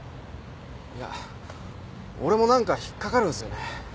いや俺もなんか引っかかるんですよね。